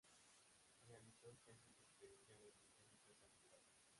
Realizó extensas expediciones botánicas a Sudáfrica.